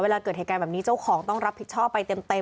เกิดเหตุการณ์แบบนี้เจ้าของต้องรับผิดชอบไปเต็ม